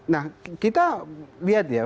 nah kita lihat ya